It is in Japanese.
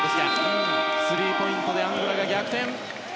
スリーポイントでアンゴラが逆転。